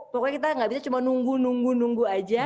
pokoknya kita gak bisa cuma nunggu nunggu nunggu aja